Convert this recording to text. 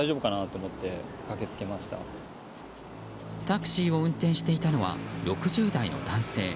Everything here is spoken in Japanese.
タクシーを運転していたのは６０代の男性。